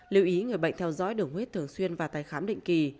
liệu ý người bệnh theo dõi đường huyết thường xuyên và tài khám định kỳ